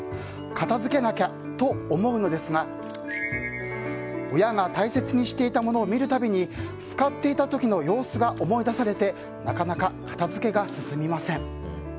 片づけなきゃと思うのですが、親が大切にしていたものを見るたびに使っていた時の様子が思い出されてなかなか片づけが進みません。